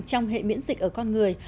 trong hệ miễn dịch ở con người